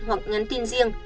hoặc nhắn tin riêng